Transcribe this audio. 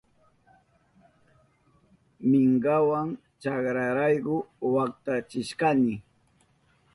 Minkawa chakraynirayku waktachishkani.